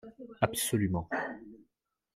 Absolument